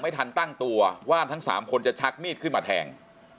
ไม่ทันตั้งตัวว่าทั้ง๓คนจะชักมีดขึ้นมาแทง